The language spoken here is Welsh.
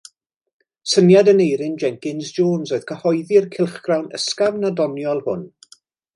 Syniad Aneurin Jenkins Jones oedd cyhoeddi'r cylchgrawn ysgafn a doniol hwn.